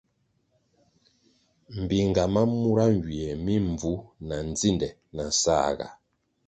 Mbpinga ma mura nywie mi mbvu na ndzinde na nsãhga.